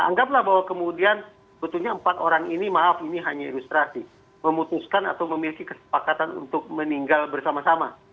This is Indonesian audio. anggaplah bahwa kemudian empat orang ini maaf ini hanya ilustrasi memutuskan atau memiliki kesepakatan untuk meninggal bersama sama